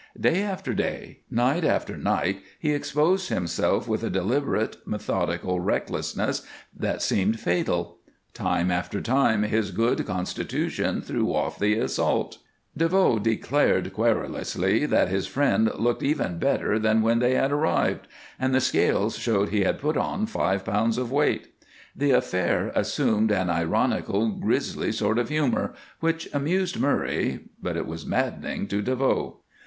Day after day, night after night, he exposed himself with a deliberate methodical recklessness that seemed fatal; time after time his good constitution threw off the assault. DeVoe declared querulously that his friend looked even better than when they had arrived, and the scales showed he had put on five pounds of weight. The affair assumed an ironical, grisly sort of humor which amused Murray. But it was maddening to DeVoe.